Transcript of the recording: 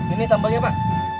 ini sambelnya pak